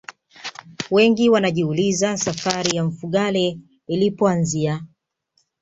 wengi wanajiuliza safari ya mfugale ilipoanzia